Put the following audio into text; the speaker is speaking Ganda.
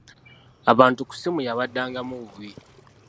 Abantu ku ssimu yabaddangamu bubi.